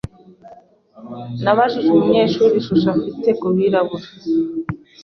Nabajije umunyeshuri ishusho afite kubirabura.